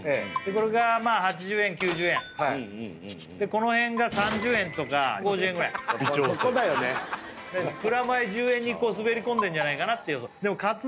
これがまあ８０円９０円でこの辺が３０円とか５０円ぐらいプラマイ１０円に滑り込んでんじゃないかな